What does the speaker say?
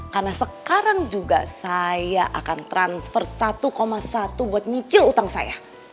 karena sekarang juga saya akan transfer satu satu buat nyicil utang saya